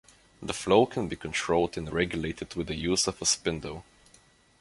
The flow can be controlled and regulated with the use of a spindle.